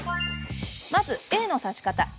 まず、Ａの差し方。